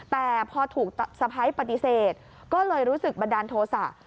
แต่พอถูกสะพ้ายปฏิเสธก็เลยรู้สึกบันดาลโทษะ